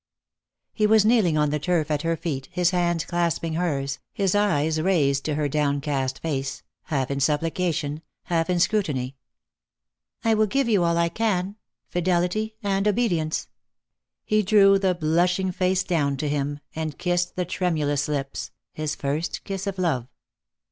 He was kneeling on the turf at her feet, his hands clasping hers, his eyes raised to her downcast face, half in supplication, half in scrutiny. " I will give you all I can — fidelity and obedience." He drew the blushing face down to him, and kissea the tremulous lips, his first kiss of love.